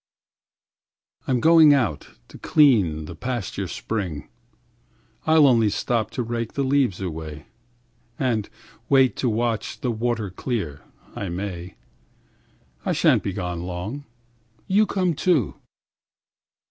1I'm going out to clean the pasture spring;2I'll only stop to rake the leaves away3(And wait to watch the water clear, I may):4I sha'n't be gone long. You come too.